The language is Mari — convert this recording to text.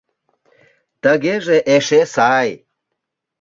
— Тыгеже эше сай...